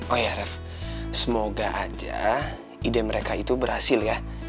oh ya ref semoga aja ide mereka itu berhasil ya